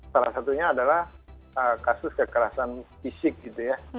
salah satunya adalah kasus kekerasan fisik gitu ya